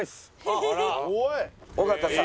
尾形さん。